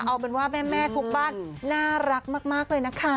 เอาเป็นว่าแม่ทุกบ้านน่ารักมากเลยนะคะ